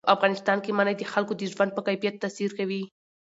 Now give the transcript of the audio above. په افغانستان کې منی د خلکو د ژوند په کیفیت تاثیر کوي.